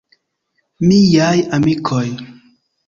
Miaj amikoj.